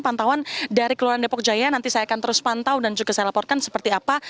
pantauan dari keluaran depok jaya nanti saya akan terus pantau dan juga saya laporkan seperti apa